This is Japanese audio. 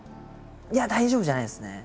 いや大丈夫じゃないですね。